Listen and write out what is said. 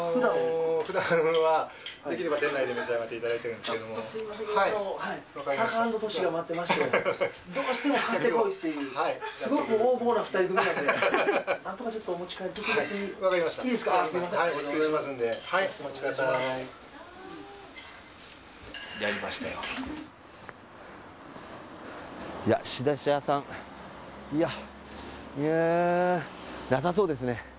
うーんなさそうですね。